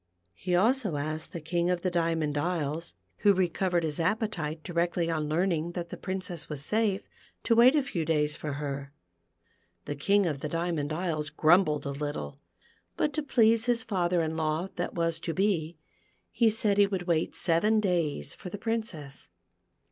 He also asked the King of the Diamond Isles, who recovered his appetite directly on learning that the Princess was safe, to wait a few da}'s for her. The King of the Diamond Isles grumbled a little, but to please his father in law that was to be, he said he would wait seven days for the Princess.